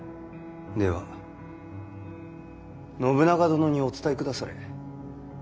では信長殿にお伝えくだされ。